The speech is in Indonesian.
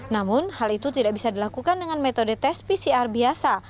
namun hal itu tidak bisa dilakukan dengan metode tes pcr biasa